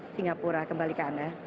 singapura kembali ke anda